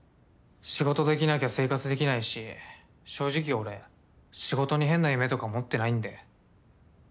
仕事できなきゃ生活できないし正直俺仕事に変な夢とか持ってないんで。